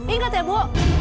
ingat ya bu